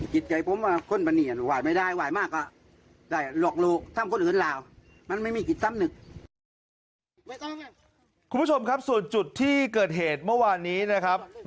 คุณผู้ชมครับส่วนจุดที่เกิดเหตุเมื่อวานนี้นะครับ